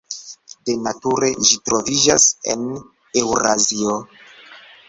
De nature ĝi troviĝas en Eŭrazio.